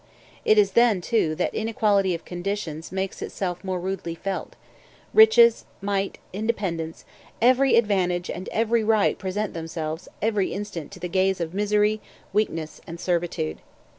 It is then, too, that inequality of conditions makes itself more rudely felt; riches, might, independence, every advantage and every right present themselves every instant to the gaze of misery, weakness, and servitude.